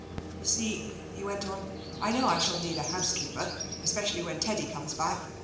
'You see,' he went on, 'I know I shall need a housekeeper, especially when Teddy comes back.